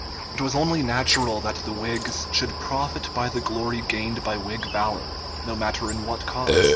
It was only natural that the Whigs should profit by the glory gained by Whig valor, no matter in what cause.